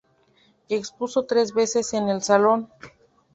Expuso tres veces en el Salón.